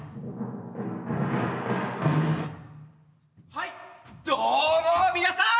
はいどうも皆さん。